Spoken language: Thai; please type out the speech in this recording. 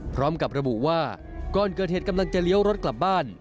พร้อมกับระบุว่าก่อนเกิดเหตุกำลังจะเลี้ยวรถกลับบ้าน